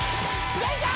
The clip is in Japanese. よいしょ！